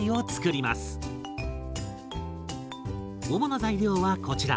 主な材料はこちら。